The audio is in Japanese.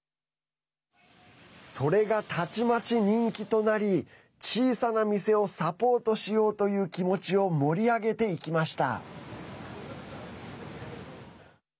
それが、たちまち人気となり小さな店をサポートしようという気持ちを盛り上げていきました。